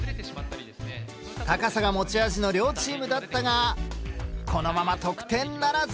高さが持ち味の両チームだったがこのまま得点ならず。